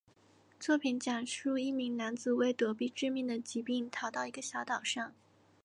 作品讲述一名男子为躲避致命的疾病逃到一个小岛上。